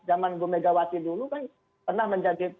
zaman bumegawati dulu kan pernah menjadi